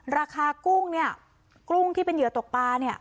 กุ้งเนี่ยกุ้งที่เป็นเหยื่อตกปลาเนี่ย